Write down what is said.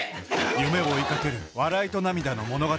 夢を追いかける笑いと涙の物語